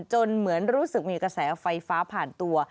เหมือนรู้สึกมีกระแสไฟฟ้าผ่านตัว